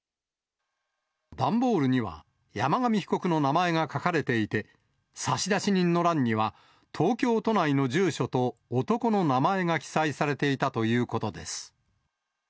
段ボールには、山上被告の名前が書かれていて、差出人の欄には、東京都内の住所と男の名前が記載されていたということです。